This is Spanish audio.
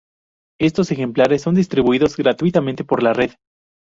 Estos ejemplares son distribuidos gratuitamente por la red.